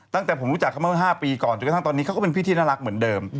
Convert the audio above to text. ตั้งแต่ผมรู้จักเขาเมื่อ๕ปีก่อนจนกระทั่งตอนนี้เขาก็เป็นพี่ที่น่ารักเหมือนเดิม